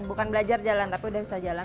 bukan belajar jalan tapi udah bisa jalan